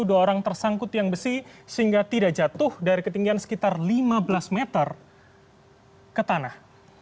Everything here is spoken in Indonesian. dua orang tersangkut tiang besi sehingga tidak jatuh dari ketinggian sekitar lima belas meter ke tanah